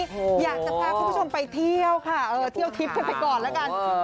อยากจะพาคุณผู้ชมไปเที่ยวค่ะเที่ยวทิพย์กันไปก่อนแล้วกัน